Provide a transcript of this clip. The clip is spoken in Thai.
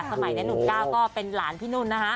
สมัยนั้นหนุ่มก้าวก็เป็นหลานพี่นุ่นนะคะ